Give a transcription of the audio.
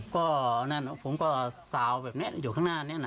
ก็นั่นผมก็สาวแบบนี้อยู่ข้างหน้านี้นะ